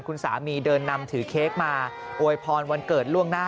คุณสามีเดินนำถือเค้กมาอวยพรวันเกิดล่วงหน้า